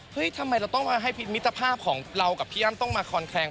ทำไมเราต้องมาให้มิตรภาพของเรากับพี่อ้ำต้องมาคอนแคลง